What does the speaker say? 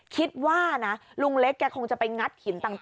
คิดว่านะลุงเล็กแกคงจะไปงัดหินต่าง